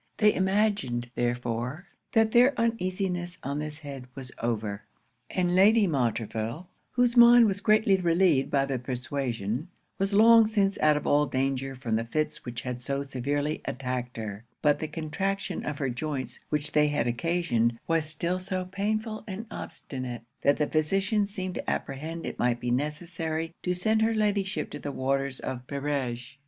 They imagined, therefore, that their uneasiness on this head was over: and Lady Montreville, whose mind was greatly relieved by the persuasion, was long since out of all danger from the fits which had so severely attacked her; but the contraction of her joints which they had occasioned, was still so painful and obstinate, that the physicians seemed to apprehend it might be necessary to send her Ladyship to the waters of Barege.